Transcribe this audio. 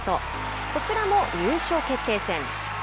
こちらも優勝決定戦。